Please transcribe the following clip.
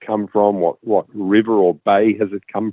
apa sungai atau bayi yang datang dari